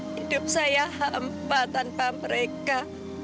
hidup saya hampa tanpa mereka